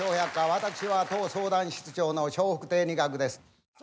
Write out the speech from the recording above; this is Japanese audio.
私は当相談室長の笑福亭仁鶴です。